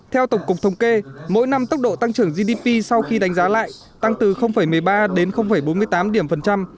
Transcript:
theo tổng cục thống kê mỗi năm tốc độ tăng trưởng gdp sau khi đánh giá lại tăng từ một mươi ba đến bốn mươi tám điểm phần trăm